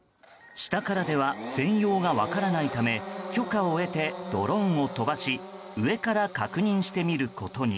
下からでは全容が分からないため許可を得てドローンを飛ばし上から確認してみることに。